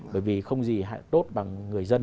bởi vì không gì tốt bằng người dân